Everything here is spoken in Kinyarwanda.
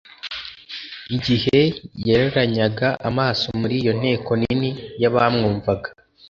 Igihe yararanganyaga amaso muri iyo nteko nini y'abamwumvaga,